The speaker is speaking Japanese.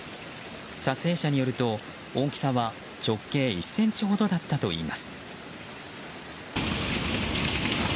撮影者によると大きさは直径１ｃｍほどだったといいます。